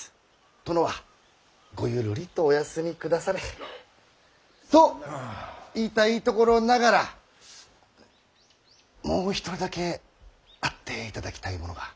殿はごゆるりとお休みくだされ。と言いたいところながらもう一人だけ会っていただきたい者が。